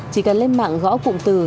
chỉ cần lên mạng gõ cụm từ